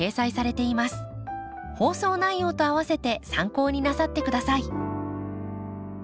放送内容と併せて参考になさってください。